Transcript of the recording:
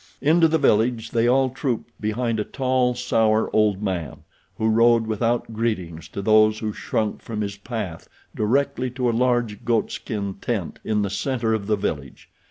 Into the village they all trooped behind a tall, sour, old man, who rode without greetings to those who shrunk from his path directly to a large goatskin tent in the center of the village.